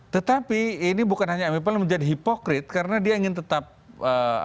tetapi ini bukan hanya amiple menjadi hipokrit karena dia ingin tetap ee